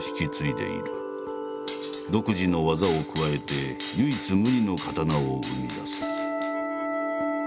独自の技を加えて唯一無二の刀を生み出す。